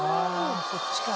そっちか。